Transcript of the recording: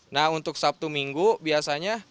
nah untuk sabtu minggu biasanya